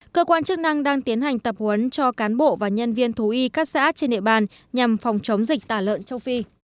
cơ quan chức năng đang tiến hành tập huấn cho cán bộ và nhân viên thú y các xã trên địa bàn nhằm phòng chống dịch tả lợn châu phi